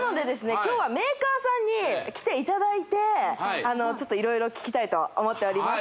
今日はメーカーさんに来ていただいてちょっと色々聞きたいと思っております